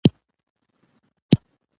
د چاپېریال ستونزي ځوانان اغېزمنوي.